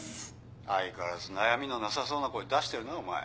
相変わらず悩みのなさそうな声出してるなお前。